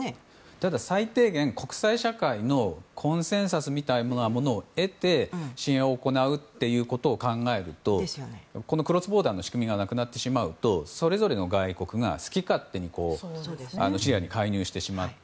ただ最低限、国際社会のコンセンサスみたいなものを得て支援を行うということを考えるとクロスボーダーの仕組みがなくなってしまうとそれぞれの外国が好き勝手シリアに介入してしまうと。